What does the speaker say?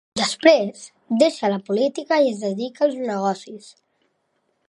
Després deixà la política i es dedicà als negocis.